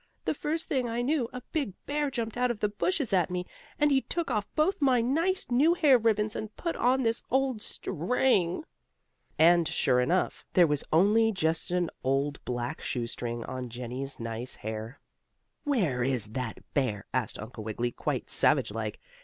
The first thing I knew a big bear jumped out of the bushes at me, and he took off both my nice, new hair ribbons and put on this old string." And, sure enough, there was only just an old black shoestring on Jennie's nice hair. "Where is that bear?" asked Uncle Wiggily, quite savage like.